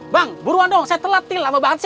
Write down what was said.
bang buruan dong saya telat di lama banget sih